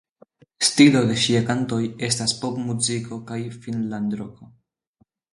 Stilo de ŝia kantoj estas popmuziko kaj finnlandroko.